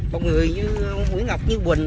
và nguyễn ngọc như quỳnh